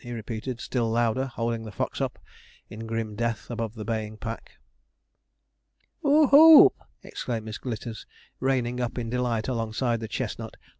repeated he, still louder, holding the fox up in grim death above the baying pack. 'Who hoop!' exclaimed Miss Glitters, reining up in delight alongside the chestnut.